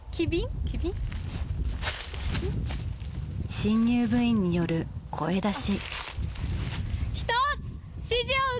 新入部員による声出し。